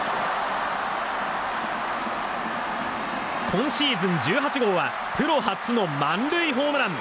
今シーズン１８号はプロ初の満塁ホームラン。